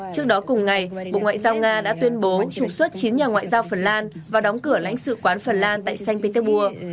trước đó cùng ngày bộ ngoại giao nga đã tuyên bố trụ xuất chín nhà ngoại giao phần lan vào đóng cửa lãnh sự quán phần lan tại sanh peitabua